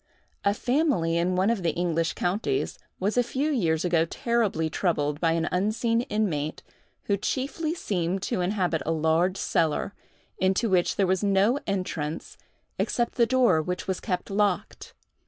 A family in one of the English counties, was a few years ago terribly troubled by an unseen inmate who chiefly seemed to inhabit a large cellar, into which there was no entrance except the door which was kept locked.